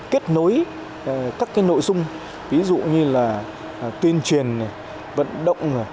kết nối các nội dung ví dụ như là tuyên truyền vận động